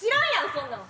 そんなん。